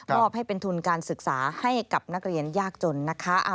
อบให้เป็นทุนการศึกษาให้กับนักเรียนยากจนนะคะ